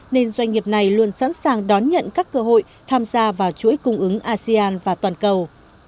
nên doanh nghiệp này luôn sẵn sàng đón nhận các cơ hội tham gia vào chuỗi cung ứng asean và toàn cầu